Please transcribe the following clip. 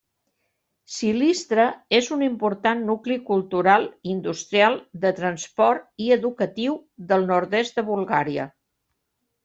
Silistra és un important nucli cultural, industrial, de transport i educatiu del nord-est de Bulgària.